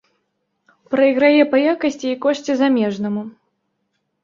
Прайграе па якасці і кошце замежнаму.